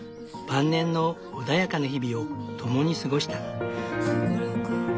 晩年の穏やかな日々を共に過ごした。